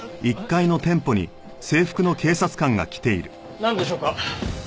なんでしょうか？